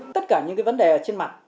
tất cả những vấn đề trên mặt